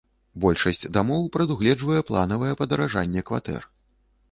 Большасць дамоў прадугледжвае плаўнае падаражанне кватэр.